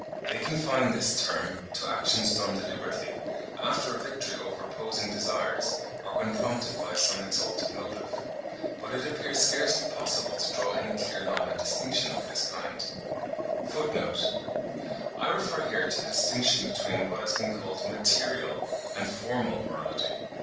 They confine this term to actions done deliberately, after a victory over opposing desires, or when prompted by some exalted motive. But it appears scarcely possible to draw any clear line of distinction of this kind. (25. I refer here to the distinction between what has been called MATERIAL and FORMAL morality.